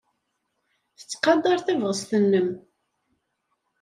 Tettqadar tabɣest-nnem.